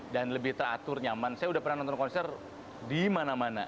dan lebih teratur nyaman saya udah pernah nonton konser di mana mana